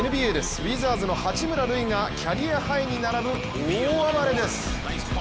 ウィザーズの八村塁がキャリアハイに並ぶ大暴れです。